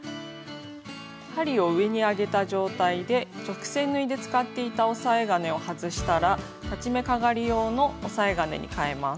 針を上に上げた状態で直線縫いで使っていた押さえ金を外したら裁ち目かがり用の押さえ金にかえます。